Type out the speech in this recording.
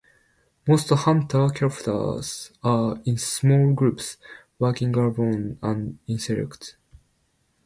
Most hunter characters are in small groups working alone and in secret.